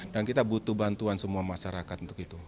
dan kita butuh bantuan semua masyarakat untuk itu